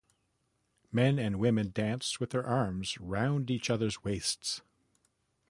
Men and women danced with thair arms round each other's waists.